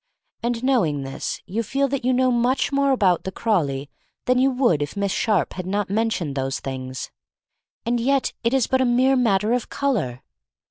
And knowing this you feel that you know much more about the Craw ley than you would if Miss Sharpe had not mentioned those things. And yet it is but a mere matter of color!